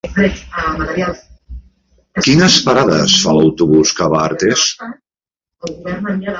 Quines parades fa l'autobús que va a Artés?